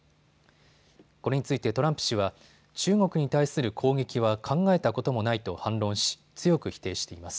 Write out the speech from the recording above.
これについてトランプ氏は中国に対する攻撃は考えたこともないと反論し強く否定しています。